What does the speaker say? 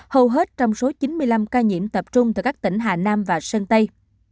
hầu hết trong số chín mươi năm ca nhiễm tập trung tại các tỉnh hà nam và sơn tây